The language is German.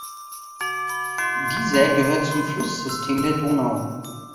Dieser gehört zum Flusssystem der Donau.